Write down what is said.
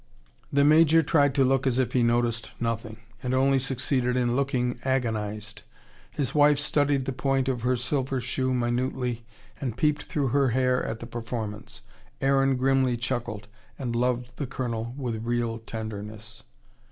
The Major tried to look as if he noticed nothing, and only succeeded in looking agonised. His wife studied the point of her silver shoe minutely, and peeped through her hair at the performance. Aaron grimly chuckled, and loved the Colonel with real tenderness.